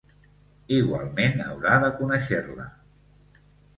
Igualment, haurà de conèixer-la.